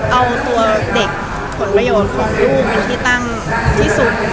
เอาตัวเด็กผลประโยชน์ของลูกเป็นที่ตั้งที่สุด